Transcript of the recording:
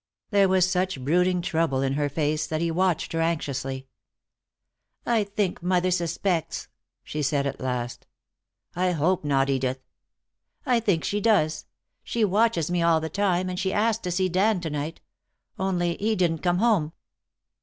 There was such brooding trouble in her face that he watched her anxiously. "I think mother suspects," she said at last. "I hope not, Edith." "I think she does. She watches me all the time, and she asked to see Dan to night. Only he didn't come home."